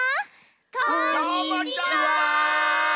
こんにちは！